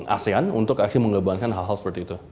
asean untuk akhirnya mengembangkan hal hal seperti itu